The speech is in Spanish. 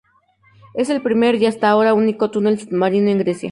Es el primer y hasta ahora único túnel submarino en Grecia.